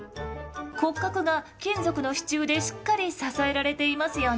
骨格が金属の支柱でしっかり支えられていますよね。